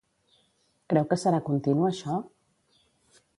Creu que serà continu això?